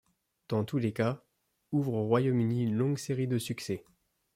Dans tous les cas, ' ouvre au Royaume-Uni une longue série de succès.